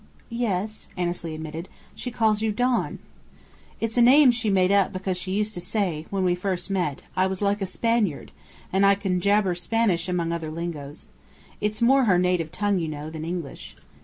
"Yes," Annesley admitted. "She calls you 'Don.'" "It's a name she made up because she used to say, when we first met, I was like a Spaniard; and I can jabber Spanish among other lingos. It's more her native tongue, you know, than English.